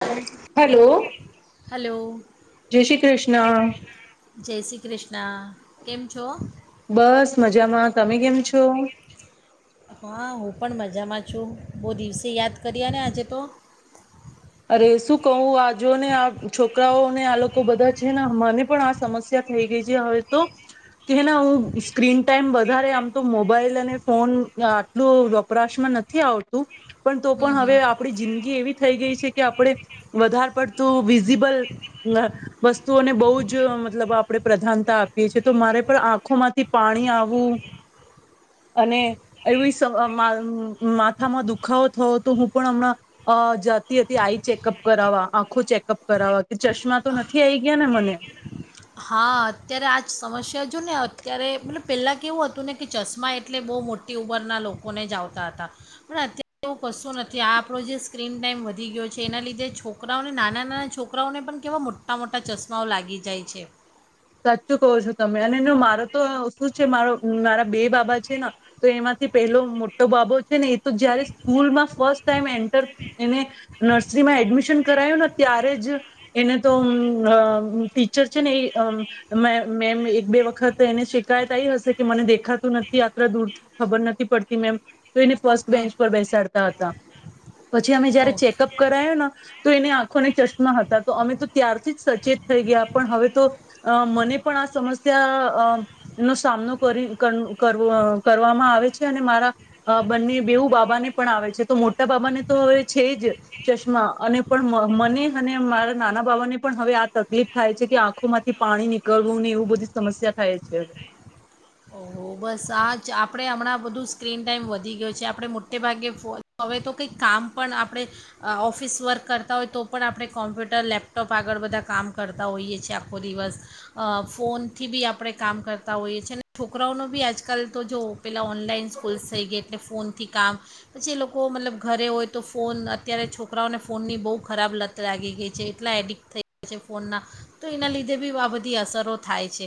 Hello hello હલોલો જય શ્રી કૃષ્ણ જય શ્રી કૃષ્ણ. કેમ છો? બસ મજામાં તમે કેમ છો? હા હું પણ મજામાં છું બહુ દિવસે યાદ કરી્યા ને આજે તો અરે શું કહું આજને આ છોકરાઓને આ લોકો બધા છેને મને પણ આ સમસ્યા થઈ ગઈ છે હવે તો કે હેને હું સ્ક્રીન ટાઈમ વધારે આમ તો મોબાઈલ અને ફોન આટલું વપરાશમાં નથી આવતું પણ તો હં પણ હં હવે આપણી જિંદગી એવી થઈ ગઈ છે કે આપણે વધારે પડતું વિઝિબલ વસ્તુઓને બહુ જ મતલબ આપણે પ્રધાનતા આપીએ છ છેએ તો મારે પણ આંખો માંથી પાણી આવવું અને એવી માથામાં દુખાવો થવ તો હું પણ હમણાં જાતિ હ આઈ ચેકઅપ કરાવવા આખો ચેકઅપ કરાવવા કે ચશ્મા તો નથી આઈ ગયા ને મને હા અત્યારે આ જ સમસ્યા જો ને અત્યારે મતલબ પહેલાં કેવું હતું ને કે ચશ્મા એટલે બહુ મોટી ઉંમરના લોકોને જ આવતા હતા પણ અત્યારે એવું કશું નથી આ આપણો જે સ્ક્રીન ટાઈમ વધી ગયો છે એના લીધે છોકરાઓને નાના નાના છોકરાઓને પણ કેવા મોટા મોટા ચશ્માઓ લાગી જાય છે. સાચું કહો છો તમે અને મારો તો શું છે મારો મારા બે બાબા છે ને તો એમાંથી પેહલો મોટો બાબો છે ને એ તો જયારે સ્કૂલમાં ફસ્ટ ટાઈમ એન્ટર એને નર્સરીમાં એડમિશન કરાયું ને ત્યારે જ એને તો અ ટીચર છે ને એ મેમ એક બે વખત એને શિકાયત આ આવી હશે કે મને દેખાતું નથી આત્ર દૂરથી ખબર નથી પડતી મેમ તો એને ફસ્ટ હં બેન્ચ પર બેસાડતા હતા. પછી અમે જયારે ઓકે ચેકઅપ કરાયો‌ ન તો એને આંખોને ચશ્મા હતા તો અમે તો ત્યારથી જ સચેત થઈ ગયા પણ હવે તો અ મને પણ આ સમસ્યા અ નો સામનો કરી કરીવો કરવામાં આવે છે અને મારા બંને બેવું બાબાને પણ આવે છે તો મોટા બાબાને તો હવે છે જ ચશ્મા અને પણ મને અને મારા નાના બાબાને પણ હવે આ તકલીફ થાય છે કે આંખોમાં થી પાણી નીકળવું નહી એવું બધી સમસ્યા થાય છે હવે તો બસ આ જ આપણે હમણાં બધું સ્ક્રીન ટાઈમ વધી ગયો છે આપણે મોટે ભાગે ફો હવે તો કંઈક કામ પણ આપણે ઓફિસ વર્ક કરતા હોય તો પણ આપણે કોમ્પ્યુટર લેપટોપ આગળ બધા કામ કરતા હોઈએ છીએ આખો દિવસ ફોનથી બી આપણે કામ કરતા હોઈએ છીએ ને છોકરા છોકરાઓનો બી આજ કલ તો જો પેલા ઓનલાઈન સ્કૂલ્સ થઈ ગઈ એટલે ફોન થી કામ પછી એ લોકો મતલબ ઘરે હોય, તો ફોન અત્યારે છોકરાઓને ફોનની બહુ ખરાબ લત લાગી ગઈ છે. એટલા એડિક્ટ થઈ ગયા છે. ફોનના તો એના લીધે બી આ બધી અસરો થાય છે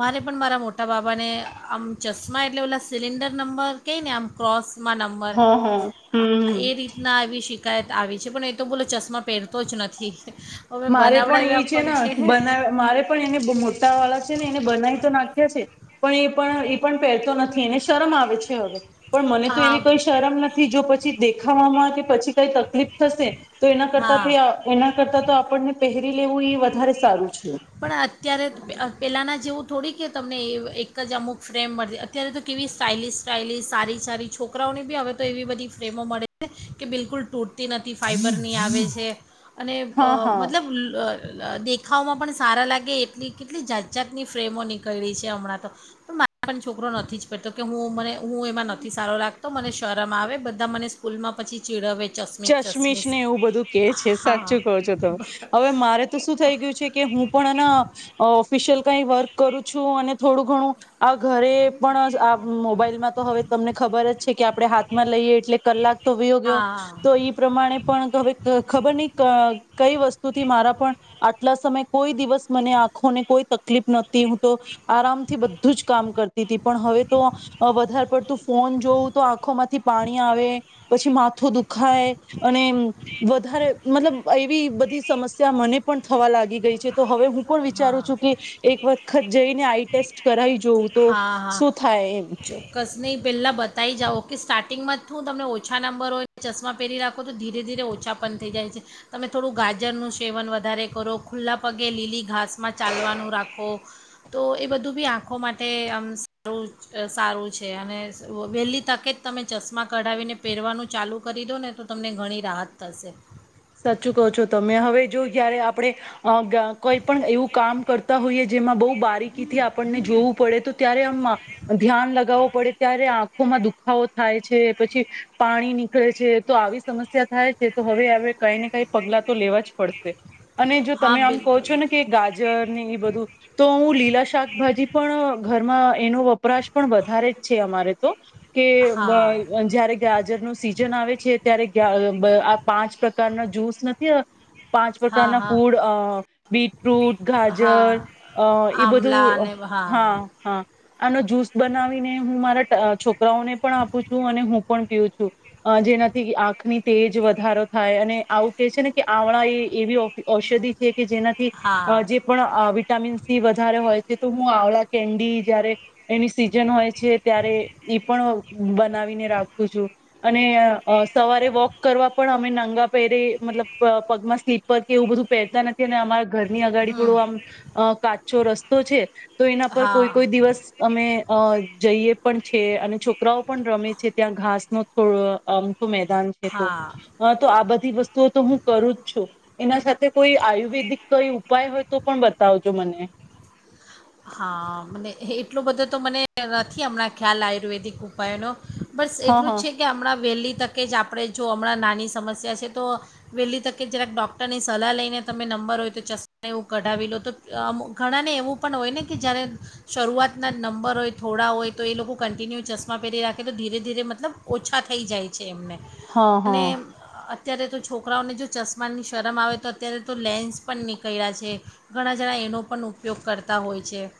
મારે પણ મારા મોટા બાબાને, આમ ચશ્મા એટલે ઓલા સિલિન્ડર નંબર કઈ ને આમ ક્રોસ માં નંબર હા હા હમ એ રીતના આવી શિકાયત આવી છે પણ એ તો બોલો ચશ્મા પહેરતો જ નથી મારે પણ એ છે, ને, બના મારે પણ એને મોટા વાળા છે ને, એને બનાવી તો નાખ છેી પણ એ પણ એ પણ પહેરતો નથી ને શરમ આવે છે, હવે. પણ મને તો હા એવી કોઈ શરમ નથી જો પછી. દેખાવામાં કે પછી કઈ તકલીફ થશે. તો એના કરતા હા એના કરતા તો. પહેરી લેવું એ વધારે સારું છે. પણ અત્યારે પેલાના જેવું. થોડી કે તમને એક જ અમુક ફ્રેમ મળતી, અત્યારે તો, કેવી સ્ટાઇલિસ સ્ટાઇલિશ સારી સારી છોકરાઓની બી હવે તો, એવી બધી ફ્રેમો મળે છે કે બિલકુલ તૂટતી નથી ફાઈબર ની આવે છે. અને હા હા મતલબ. દેખાવમાં પણ. સારા લાગે એટલી કેટલી જાત જાાતની ફ્રેમો નીકળી છે હમણાં તો મારા પણ છોકરો નથી જ પડતો કે હું મને. હું એમાં નથ સારળક. તો, મને શોરામાં આવે બધા મને સ્કૂલમાં પછી ચીડવેે. ચશ્મિશ ને એવું બધું કે છે હા સાચું કહો છો તમે હવે મારે તો શું થઈ ગયું છે. હું પણ એ ઓ. કઈ વર્ક કરું છું અને થોડું ઘણું આ ઘરે પણ આ મોબાઈલમાં તો હવે તમને ખબર જ છે. કે આપણે હાથમાં લઈએ એટલે કલાક તો વીયો હા ગયો. પ્રમાણે પણ હવે, ખબર નહ કઈ વસ્તુથી મારા પણ આટલા સમય કોઈ, દિવસ મને આંખોને કોઈ તકલીફ નહતી હું તો આરામ થી બધું જ કામ કરતી. પણ હવે તો વધારે. પડતું ફોન જોવું તો આંખોમાંથી પાણી આવે પછી માથું દુખ. ખાય અને વધારે. મતલબ એવી બધી સમસ્યા મને પણ થવા લાગી ગઈ છે, તો હવે હું. હા વિચારું છું કે એક વખત જઈને આઈ ટેસ્ટ કરાવી જોઉં તો હા હા શું થાય એમ. ચોક્કસ નહીં પહેલાં બતાવી જાઓ કે સ્ટાર્ટિંગમાં તું તમને ઓછા નંબર હોય ચશ્મા પહેરી રાખો તો ધીરે ધીરે ઓછા પણ થઈ જાય છે તમે થોડું ગાજરનું સેવન વધારે કરો ખુલ્લા પગે લીલી ઘાસ. રસમાં ચાલવાનું રાખો. તો એ બધું બી આંખો માટે, આમ સારું સારું છે અને વહેલી તકે, જ તમે ચશ્મા કઢાવીને પહેરવાનું ચાલુ કરી દો. ને તો, તમને ઘણી રાહત થશે. સાચું કહો છો તમે હવે જો જયારે આપણે કોઈ પણ એવું કામ કરતા હોઈએ જેમાં બહુ બારીકીથી આપણને જોવું પડે તો ત્યારે. ધ્યાન લગાઓ કે. પડે ત્યારે આંખોમાં દુખાવો થાય છે, પછી પાણી નીકળે છે તો આવી સમસ્યા થાય છે તો હવે અવે કઈ ને કઈ પગલા તો લેવા જ પડશે. અને જો હા તમે આમ કહો છો બિલકુલ ને કે ગાજર ને એ બધું તો હું લી લા શાકભાજી પણ ઘરમાં એનો વપરાશ પણ વધારે જ છે અમારે તો. કે બ હા અ જ્યારે ગાજર નું સીઝન આવે છે ત્યારે ગા અ બ પાંચ પ્ર કારના જૂસ નથી પાંચ હા પ્રકારના ફૂડ હા અ બીટરૂુટ, ગાજર હા અ એ આમલા બધું અને હા, હા, આનો જ્યુસ બનાવીને હું મારા ત અ છોક રાઓ ને પણ આપું છું અને હું પણ પીઉ છું, અ જેનાથી આંખની તેજ વધારે થાય અને આવું કે છે ને કે આવણા એ એવી ઔ ઔષધિ છે કે જેનાથી હા જે પણ વિટામિન સી વધારે હોય છે તો હું આવળા કેન્ડી જ્યારે એની સિઝન હોય છે, ત્યારે ઈ પણ બનાવીને રાખું છું. અને અ સવારે વોક કરવા પણ અમે નં ગા પેરે મતલબ પગમાં સ્લીપર કે એવું બધું પહેરતા નથી અને અમારે ઘરની અગાડી હમ થોડો આમ કાચો રસ્તો છે તો એના પર કોઈ હા કોઈ દિવસ અમે અ જઈએ પણ છે, અને છો કરાઓ પણ રમે છે ત્યાં ઘાસ માં થોડું આમ મેદાન છે તો હા આ બધી વસ્તુઓ તો હું કરું જ છું, એના સા થે કોઈ આયુર્વેદિક કોઈ ઉપાય હોય તો પણ બતાવજો મને. હા, મને હેટલુ બધૂ તો મને નથી હમણાં ખ્યાલ આયુર્વેદિક ઉપાય નો. બસ હા એટલું જ હા છે કે હમણાં વહેલી તક કે જ આપણે જો હમણાં નાની સમસ્યા છે તો વલી તકે જરાક ડૉક્ટરની સલાહ લઈને તમે નંબર હોય તો ચશ્માને એવું કઢાવી લો તો આમ ઘણાને એવું પણ હોય ને કે જ્યારે શરૂઆતના નંબર હોય થોડા હોય તો એ લોકો કન્ટિન્યુ ચશ્મા પેહરી રાખે તો ધીરે ધીરે મતલબ ઓછા થઈ જાય છે એમને. હા અને હા અ ત્યારે તો છોકરાઓને જો ચશ્માની શરમ આવે તો અત્યારે તો લેન્સ પણ નીકઇડા છે, ઘણા જણા એનો પણ ઉપયોગ કરતા હોય છે.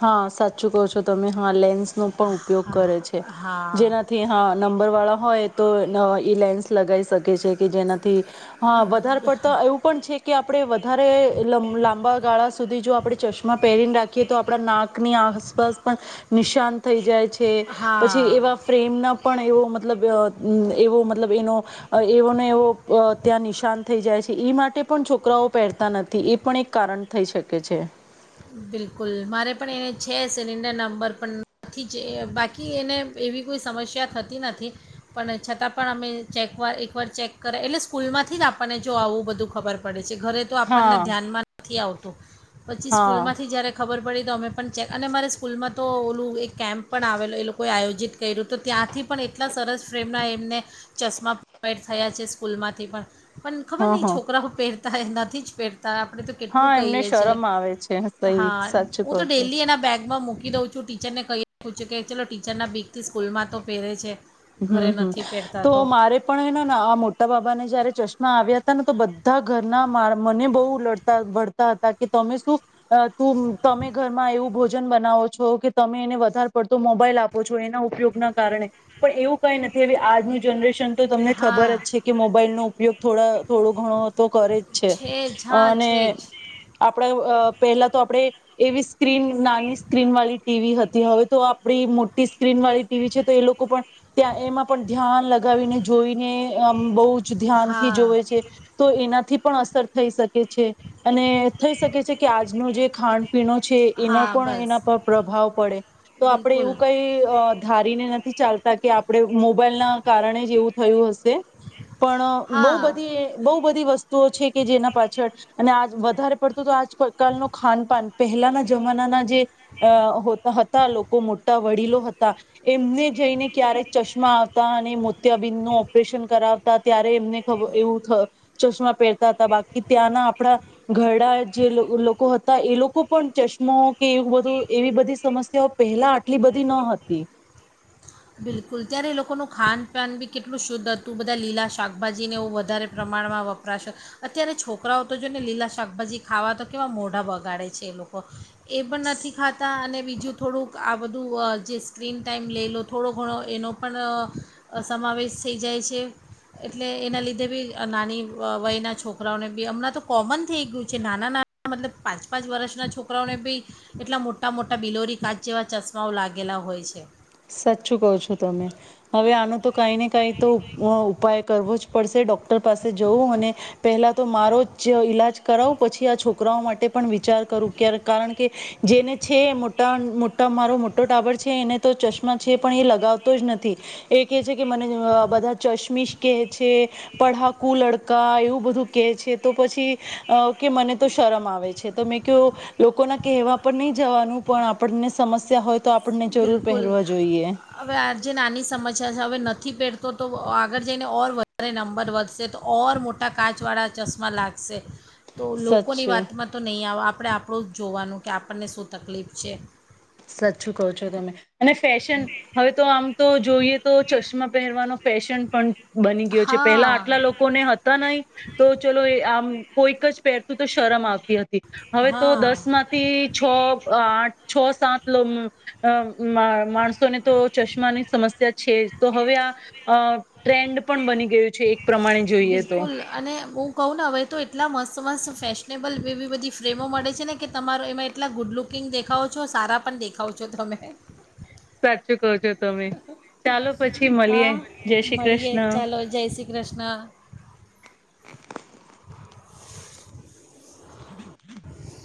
હ, સાચું કો છો તો તમે, હ લેન્સ નો પણ ઉપયોગ હા કરે છે હા જેનાથી હા નંબર વાળા હોય તો ઈ લેન્સ લગાવી શકે છે કે જેના થી હા વધારે પડતા એવું પણ છે કે આપડે વધારે લાંબા ગાળા સુધી જો આપણે ચશ્મા પહેરીને રાખીએ આપડા નાકની આસપાસ પણ નિશાન થઈ જાય છે. છે પછી હા એવા ફ્રેમ ના પણ એવો મતલબ એવો મતલબ એનો એવોને એવો ત્યાં નિશાન થઈ જાય છે એ માટે પણ છોકરાઓ પહેરતા નથી એ પણ એક કારણ થઈ શકે છે. બિલકુલ મારે પણ એને છે સિલિન્ડર નંબર પણ નથી બાકી એને એવી કોઈ સમસ્યા થતી નથી પણ છતાં પણ અમે ચેકવાર એકવાર ચેક કર્યા એટલે સ્કૂલમાંથી જ આપણને જો આવું બધું ખબર પડે છે. પછ ઘરે તો આપણને હા ધ્યાનમાં નથી આવતું. ્ટફ હા સ્કૂલમાંથી જ્યારે ખબર પડી તો અમે પણ ચેક અને મારે સ્કૂલમાં તો ઓલું એક કેમ્પ પણ આવેલો એ લોકો આયોજ જીત કર્યું તો ત્યાંથી પણ એટલા સરસ ફ્રેમના એમને ચશ્મા પ્રડ થયા છે સ્કૂલમાંથી પણ પણ ખબર હા નઈ હા છોકરા હું પહેર ત નથી જ પેરડ ત્યારે આપણે તો કેટલું હા એમને કહીએ છી શરમ આવે છે સહી હા સાચું ઉ કહો તો છો ડેલી એના બેગમાં મુક મૂકી દઉં છું ટીચરને કહી શકું છું કે ચલો ટીચરના બીકથી સ્કૂલમાં તો પહેરે છે. હમ ઘરે હમ નથી પહેરતા તો મારે પણ આ મોટા બાબાને જયારે ચશ્મા આવ્યા તો બધા ઘરના મા મને બહુ લડતા વળતા હતા કે તમે શું તું તમે ઘરમાં એવું ભોજન બનાવો છો કે તમે એને વધારે પડતો મોબાઈલ આપો છો એના ઉપયોગના કારણે પણ એવું કઈ નથી હવે આજનું જનરેશન તો તમને ખબર જ હા છે કે મોબાઈલ નો ઉપયોગ થોડા થોડો ઘણો તો કરે જ છે જ હા અને છે જ આપણે અ પહેલા તો આપે એવી સ્ક્રીન નાની સ્ક્રીન વાળી ટીવી હતી હવે તો આપડી મોટી સ્ક્રીન વાળી ટીવી છે તો એ લોકો પણ ત્યાં એમાં પણ ધ્યાન લગાવીને જોઈને આમ બહુ ધ્યાનથી હા જોવે છે તો એનાથી પણ અસર થઈ શકે છે અને થઈ શકે છે કે આજનો જે ખાણ પીણો છે એનો હા પણ બસ એના પર પ્રભાવ પડે તો આપણે બિલકુલ એવું કઈ અ ધારી ને નથી ચાલતા કે આપણે મોબાઈલ ના કારણે જ એવું થયું હશે. પણ બહુ હા બધી બહુ બધી વસ્તુઓ છે કે જેના પાછળ અને આ વધારે પડતું તો આજ કાલ નું ખાન પાન પહેલાના જમાનાના જે હતા લોકો મોટા વડીલો હતા એમને જઈને ચકશમા આવતા અને મોત્યાબિંદ નું ઓપરેશન કરાવતા ત્યારે એમને ખબ એવું થ ચશ્મા પહેરતા હતા બાકી ત્યાંના આપણા ઘરડા જે લોકો હતા એ લોકો પણ ચશ્મા કે એ બધું એવી બધી સમસ્યાઓ પહેલા આટલી બધી ન હતી. બિલકુલ ત્યારે લોકોનું ખાનપાન બી કેટલું શુદ્ધ હતું બધા લીલા શાકભાજીને એ વધારે પ્રમાણમાં વપરાશો અત્યારે છોકરાઓ તો જો ને લીલા શાકભાજી ખાવા તો કેવા મોઢા બગાડે છે એ લોકો એ પણ નથી ખાતા અને બીજું થોડુંક આ બધું જે સ્ક્રીન ટાઈમ લઈ લો થોડો ઘણો એનો પણ સમાવેશ થઈ જાય છે એટલે એના લીધે બી નાની વયના છોકરાઓને બી હમણાં તો કોમન થઈ ગયું છે નાના નાના મતલબ પાંચ પાંચ વર્ષના છોકરાઓને બી એટલા મોટા મોટા બિલોરી કાચ જેવા ચશ્માઓ લાગેલા હોય છે. સાચું કહ છો તમે હવે આનું તો કઈ નને કઈ તો ઉપાય કરવો જ પડશે ડૉક્ ટર પાસે જવું અને પહેલા તો મારો જ ઈલાજ કરાવું પછી આ છોકરાઓ માટે પણ વિચાર કરું કારણ કે જેને છે મોટા મોટા મારો મોટો ટાબર છે એને તો ચશ છે પણ એ લગાવતો જ નથી એ કે છે કે મને બધા ચશ્મીશ કેહે છે, પઢાકુ લડકા એવું બધું કેહે છે તો પછી કે મને તો શરમ આવે છે તો મેં કહ્યું લોકો ના કહેવા પર નહી જવાનું પણ આપણને સમસ્યા હોય તો આપણને જરૂર બિલકુલ પહેરવા જો હવે આ જે નાની સમસ્યા છે હવે નથી પહેરતી તો તો આગળ જઈને ઓર વધારે નંબર વધશે તો ઓર મોટા કાચ વાળા ચશ્મા લાગશે. તો લોકોની સચ વાતમાં તો નહીં આવે આપ આપણે આપણું જ જોવાનું કે આપણને શું તકલીફ છે. સાચું કો છો તમે અને ફેશન હવે તો આમ તો જોઈએ તો ચશ્મા પહેરવાનો ફેશન પણ બની ગયો છે પેલા હા આટલા લોકોને હતા નહી તો ચલો આમ કોઈક જ પહેરતું તો શરમ આવતું હતી હવે તો હા દસ માંથી છ આઠ છો. સાટ લો મ અ, મ માણસો ને તો ચશ્માની સમસ્યા છે જ તો હવે આ ટ્રેન્ડ પણ બની ગયું છે એક. પ્રમાણે જોઈએ તો. બિલકુલ અને હું કહું ને હવે તો એટલા મસ્ત મસ્ત ફેશનેબલ એવી બધી ફ્રેમો મળે છે, ને કે તમારો એમાં એટલા ગુડ લુકિંગ દેખાવો છો સારા પણ દેખાવો છો તમે. સાચું કવ છો તમે ચાલો. પછી મળીએ હા જય શ્રી મળીએ કૃષ્ણ ચાલો જય શ્રી કૃષ્ણ. હ